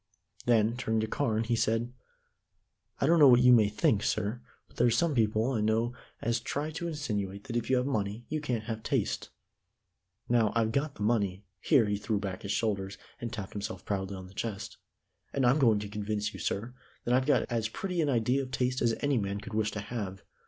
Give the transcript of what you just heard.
Then, turning to Carne, he said: "I don't know what you may think, sir, but there are some people I know as try to insinuate that if you have money you can't have taste. Now, I've got the money" here he threw back his shoulders, and tapped himself proudly on the chest "and I'm going to convince you, sir, that I've got as pretty an idea of taste as any man could wish to have.